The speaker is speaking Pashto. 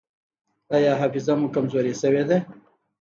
ایا حافظه مو کمزورې شوې ده؟